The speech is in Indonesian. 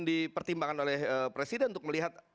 dipertimbangkan oleh presiden untuk melihat